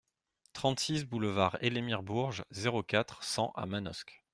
trente-six boulevard Elémir Bourges, zéro quatre, cent à Manosque